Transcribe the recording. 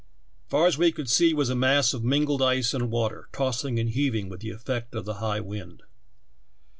Far as we could see was a mass of mingled ice and water, tossing and heaving with the effect of the high wind.